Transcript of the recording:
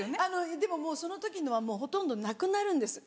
でもその時のはもうほとんどなくなるんです。